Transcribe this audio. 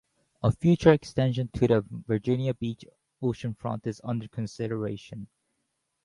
A future extension to the Virginia Beach oceanfront is under consideration.